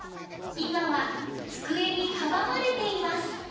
今は机に阻まれています。